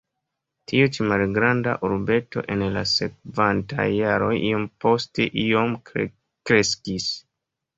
Tiu ĉi malgranda urbeto en la sekvantaj jaroj iom post iom kreskis.